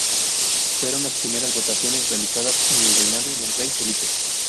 Fueron las primeras votaciones realizadas en el reinado del Rey Felipe.